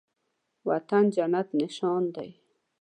وطن جنت نشان دی